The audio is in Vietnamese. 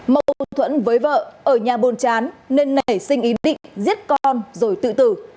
mâu thuẫn với vợ ở nhà buồn chán nên nảy sinh ý định giết con rồi tự tử